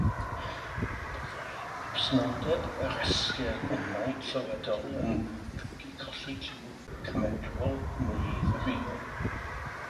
Byddai absenoldeb yr esgyrnynnau clywedol yn golygu colli clyw cymedrol neu ddifrifol.